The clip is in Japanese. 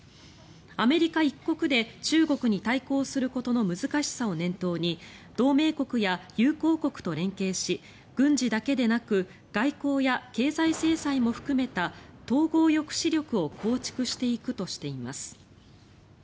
アメリカ一国で中国に対抗することの難しさを念頭に同盟国や友好国と連携し軍事だけでなく外交や経済制裁も含めた統合抑止力を構築していくとしています。